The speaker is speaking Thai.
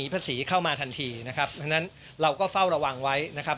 เพราะฉะนั้นเราก็เฝ้าระวังไว้นะครับ